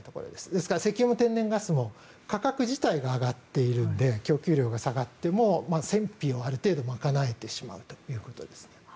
ですから石油、天然ガスも価格自体が上がっているので供給量が下がっても戦費をある程度賄えてしまうということですね。